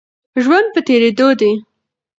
ژوند په تېرېدو دی.